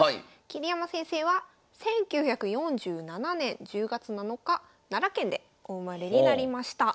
桐山先生は１９４７年１０月７日奈良県でお生まれになりました。